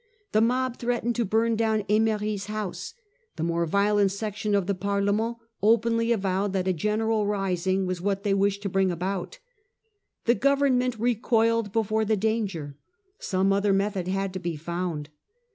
The mob threatened to burn down 6mery*s house. The more violent section of the Parlement openly avowed that a general rising was what they wished to bring about The government recoiled before the danger. Some other method had to be found.